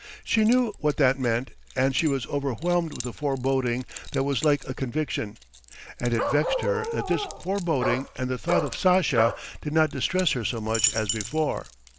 She knew what that meant, and she was overwhelmed with a foreboding that was like a conviction. And it vexed her that this foreboding and the thought of Sasha did not distress her so much as before.